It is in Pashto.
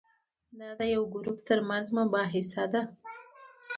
دا د یو ګروپ ترمنځ مباحثه ده.